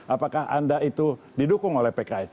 apakah anda itu didukung oleh pks